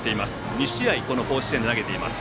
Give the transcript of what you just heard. ２試合、甲子園で投げています